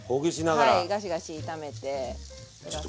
はいガシガシ炒めて下さい。